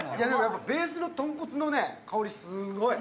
ベースの豚骨の香りすごい。